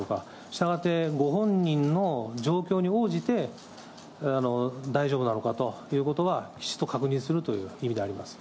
したがって、ご本人の状況に応じて、大丈夫なのかということは、きちっと確認するという意味であります。